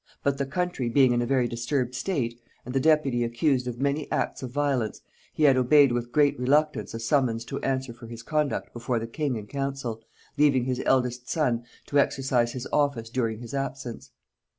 But the country being in a very disturbed state, and the deputy accused of many acts of violence, he had obeyed with great reluctance a summons to answer for his conduct before the king in council, leaving his eldest son to exercise his office during his absence.